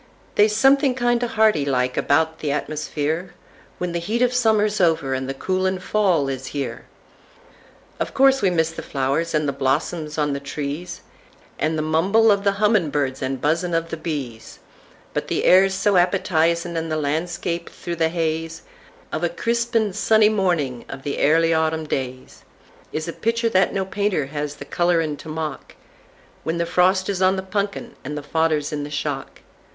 They's something kindo' harty like about the atmusfereWhen the heat of summer's over and the coolin' fall is here—Of course we miss the flowers, and the blossoms on the trees, And the mumble of the hummin' birds and buzzin' of the bees; But the air's so appetizin'; and the landscape through the hazeOf a crisp and sunny morning of the airly autumn daysIs a pictur' that no painter has the colorin' to mock—When the frost is on the punkin and the fodder's in the shock.